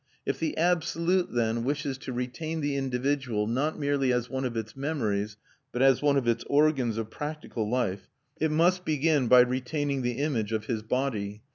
If the Absolute, then, wishes to retain the individual not merely as one of its memories but as one of its organs of practical life, it must begin by retaining the image of his body.